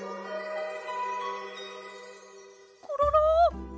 コロロ。